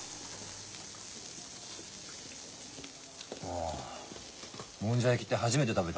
あもんじゃ焼きって初めて食べた。